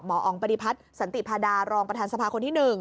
อ๋องปฏิพัฒน์สันติพาดารองประธานสภาคนที่๑